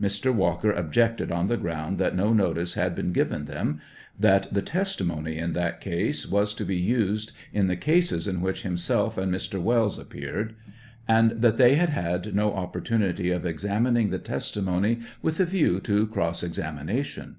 [Mr. Walker objected, on the ground that no notice had been given them ; that the testimony in that case was to be used in the cases in which himself and Mr. Wells appeared, and that they had had no opportunity of examining the testimony with a view to cross exami nation.